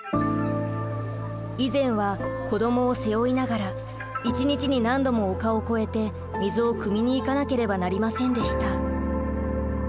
以前は子供を背負いながら１日に何度も丘を越えて水をくみにいかなければなりませんでした。